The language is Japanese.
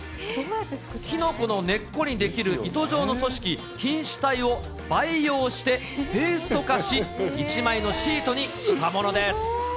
キノコの根っこにできる糸状の組織、菌糸体を培養して、ペースト化し、１枚のシートにしたものです。